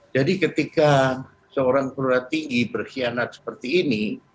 jadi ketika seorang keluar tinggi berkhianat seperti ini